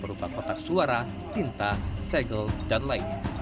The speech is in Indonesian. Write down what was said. berupa kotak suara tinta segel dan lain